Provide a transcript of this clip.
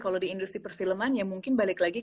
kalau di industri perfilman ya mungkin balik lagi